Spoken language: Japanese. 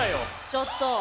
ちょっと。